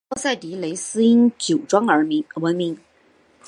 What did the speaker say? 欧塞迪雷斯因酒庄而闻名。